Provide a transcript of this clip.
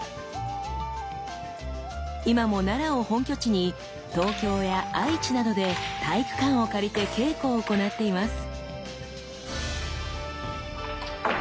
今も奈良を本拠地に東京や愛知などで体育館を借りて稽古を行っています。